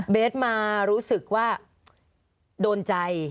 สมารู้สึกว่าโดนใจ